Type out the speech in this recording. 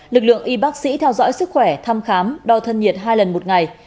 lực lượng y bác sĩ theo dõi sức khỏe thăm khám đo thân nhiệt hai lần một ngày